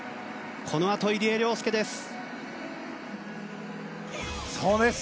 このあと、入江陵介です。